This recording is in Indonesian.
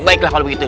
baiklah kalau begitu